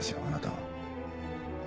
あなたは。